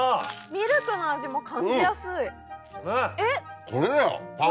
ミルクの味も感じやすい。